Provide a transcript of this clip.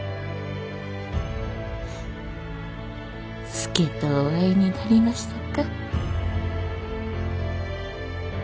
佐とお会いになれましたか？